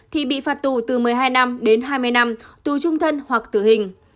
thì bị phạt tù từ một mươi hai năm đến hai mươi năm tù trung thân hoặc tử hình